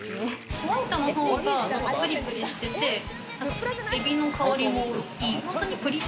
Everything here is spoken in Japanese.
ホワイトの方がプリプリしててエビの香りもいい。